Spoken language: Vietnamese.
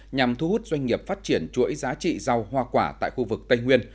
nhằm thu hút doanh nghiệp phát triển chuỗi giá trị rau hoa quả tại khu vực tây nguyên